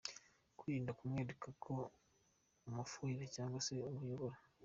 Kwirinda kumwereka ko umufuhira cyangwa se umuyobora.